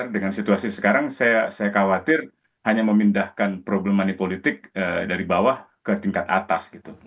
dengan situasi sekarang saya khawatir hanya memindahkan problem money politik dari bawah ke tingkat atas gitu